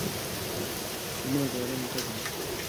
كانـت لآي الله خـيـر معـبـر